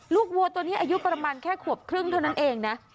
วัวตัวนี้อายุประมาณแค่ขวบครึ่งเท่านั้นเองนะ